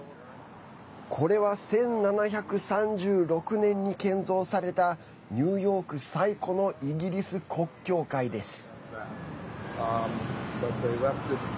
これは１７３６年に建造されたニューヨーク最古のイギリス国教会です。